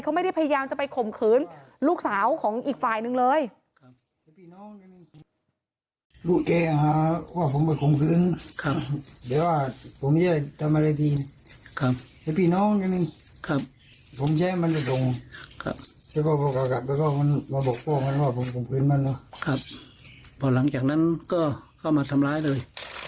เขาไม่ได้พยายามจะไปข่มขืนลูกสาวของอีกฝ่ายนึงเลย